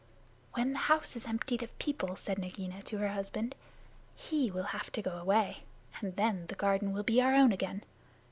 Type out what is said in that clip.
"When the house is emptied of people," said Nagaina to her husband, "he will have to go away, and then the garden will be our own again.